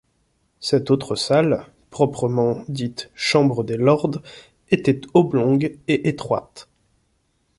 Cette autre salle, proprement dite chambre des lords, était oblongue et étroite.